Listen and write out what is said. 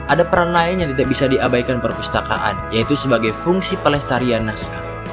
ada peran lain yang tidak bisa diabaikan perpustakaan yaitu sebagai fungsi pelestarian naskah